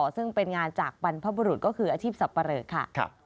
ซึ่งเป็นงานจากบรรพบุรุษก็คืออาชีพสับปะเรอค่ะ